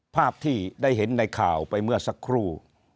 ภาพที่ได้เห็นในข่าวไปเมื่อสักครู่